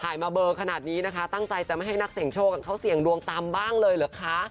มาเบอร์ขนาดนี้นะคะตั้งใจจะไม่ให้นักเสียงโชคเขาเสี่ยงดวงตามบ้างเลยเหรอคะ